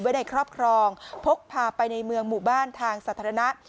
ในครอบครองพกพาไปในเมืองหมู่บ้านทางสาธารณะ